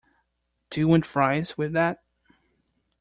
Do you want fries with that?